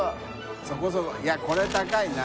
そこそこいやこれ高いな。